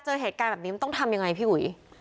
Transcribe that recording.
เพื่อความปลอดภัย